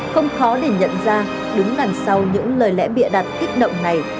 không khó để nhận ra đúng đằng sau những lời lẽ bịa đặt kích động này